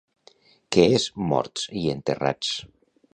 Què és Morts i enterrats?